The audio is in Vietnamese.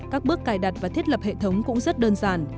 các bước cài đặt và thiết lập hệ thống cũng rất đơn giản